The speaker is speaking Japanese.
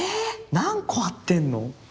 何個貼ってんの？